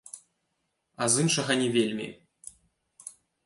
А з іншага не вельмі.